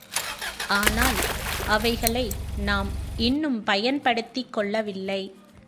ஆனால் அவைகளை நாம் இன்னும் பயன்படுத்திக் கொள்ளவில்லை.